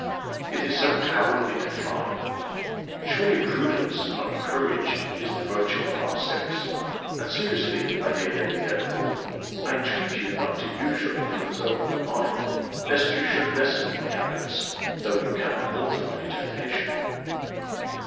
"It is so cowardly to fly!" "Surely prudence, not courage, is the virtue of our sex; and seriously, my dear Lady Delacour, I entreat you not to use your influence over my mind, lest you should lessen my happiness, though you cannot alter my determination."